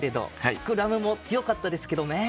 スクラムも強かったですけどね。